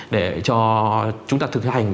để cho chúng ta thực hành